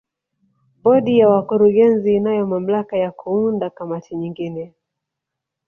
Bodi ya wakurugenzi inayo mamlaka ya kuunda kamati nyingine